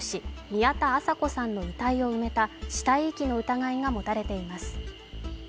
宮田麻子さんの遺体を埋めた死体遺棄の疑いが持たれています。